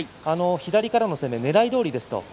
左からの攻めねらいどおりですと。